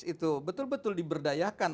itu betul betul diberdayakan